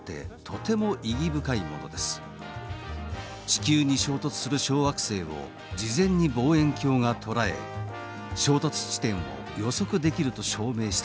地球に衝突する小惑星を事前に望遠鏡が捉え衝突地点を予測できると証明したのです。